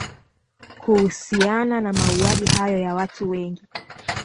kuhusiana na mauaji hayo ya watu wengi